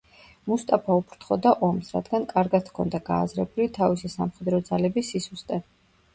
მუსტაფა უფრთხოდა ომს, რადგან კარგად ჰქონდა გააზრებული თავისი სამხედრო ძალების სისუსტე.